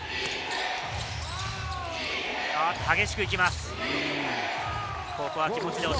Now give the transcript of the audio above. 激しく行きます。